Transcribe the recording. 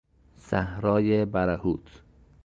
صحرای برهوت